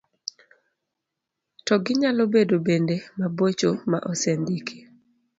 to ginyalo bedo bende mabocho ma osendiki.